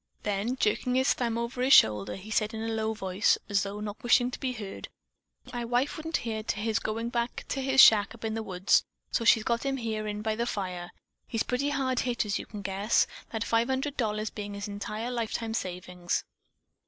Then, jerking his thumb over his shoulder, he said in a low voice, as though not wishing to be heard: "My wife wouldn't hear to his going back to his shack up in the woods, so she's got him in there by the fire. He's pretty hard hit, as you can guess, that five hundred dollars being his lifetime savings."